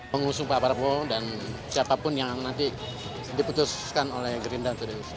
mengusung pak prabowo dan siapapun yang nanti diputuskan oleh grindra